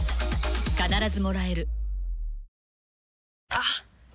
あっ！